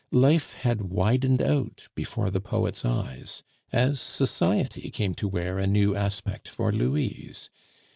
Life had widened out before the poet's eyes, as society came to wear a new aspect for Louise.